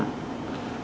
mà ít bóng đạn